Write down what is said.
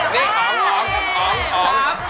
มีมวยหรือเปล่านี่อ๋อม